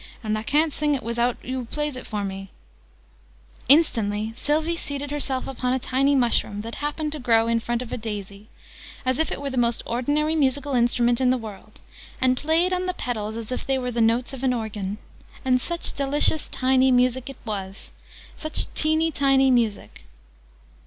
"And I ca'n't sing it not wizout oo plays it for me!" {Image...'Three badgers, writhing in a cave'} Instantly Sylvie seated herself upon a tiny mushroom, that happened to grow in front of a daisy, as if it were the most ordinary musical instrument in the world, and played on the petals as if they were the notes of an organ. And such delicious tiny music it was! Such teeny tiny music!